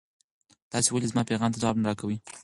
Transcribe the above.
تاسو ولې زما پیغام ته ځواب نه راکوئ؟